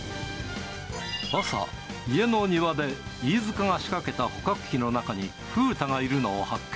朝、家の庭で飯塚が仕掛けた捕獲器の中にふうたがいるのを発見。